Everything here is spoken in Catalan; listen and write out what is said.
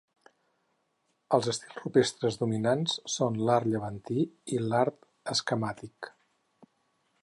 Els estils rupestres dominants són l'art llevantí i l'art esquemàtic.